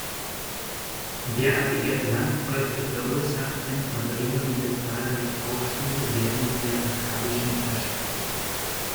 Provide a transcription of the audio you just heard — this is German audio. Derartige Landkäufe verursachten aber immer wieder zahlreiche Aufstände während der akkadischen Herrschaft.